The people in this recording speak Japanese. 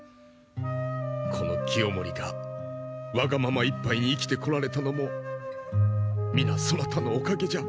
この清盛がわがままいっぱいに生きてこられたのも皆そなたのおかげじゃ。